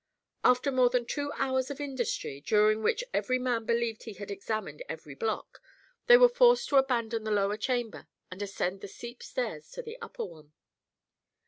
After more than two hours of industry, during which every man believed he had examined every block, they were forced to abandon the lower chamber and ascend the steep stairs to the upper one.